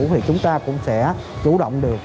thì chúng ta cũng sẽ chủ động được